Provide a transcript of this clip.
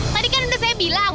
tadi kan sudah saya bilang